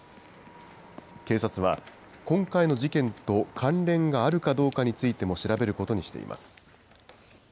警察は、今回の事件と関連があるかどうかについても調べることにしています。